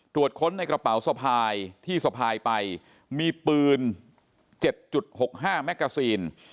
ตรวจค้นในกระเป๋าสภายที่สภายไปมีปืน๗๖๕แม็กซีน